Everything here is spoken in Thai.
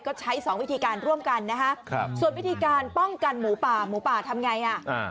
ก็ใช้สองวิธีการร่วมกันนะฮะส่วนวิธีการป้องกันหมูป่าหมูป่าทำไงอ่ะ